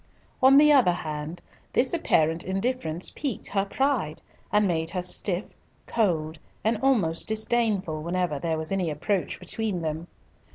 On the other hand, this apparent indifference piqued her pride, and made her stiff, cold, and almost disdainful whenever there was any approach between them.